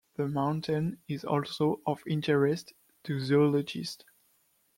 The mountain is also of interest to zoologists.